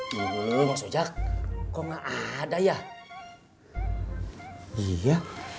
belum sejak kok nggak ada ya iya